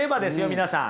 皆さん。